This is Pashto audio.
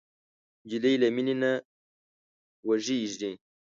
نجلۍ له مینې نه وږيږي.